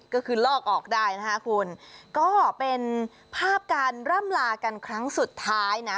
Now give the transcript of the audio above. ก็คือลอกออกได้นะคะคุณก็เป็นภาพการร่ำลากันครั้งสุดท้ายนะ